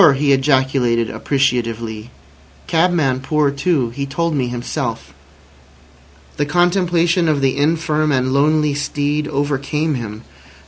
he ejaculated appreciatively. "Cabman poor too. He told me himself." The contemplation of the infirm and lonely steed overcame him.